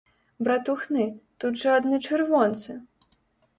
Братухны, тут жа адны чырвонцы!